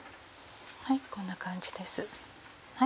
こんな感じです。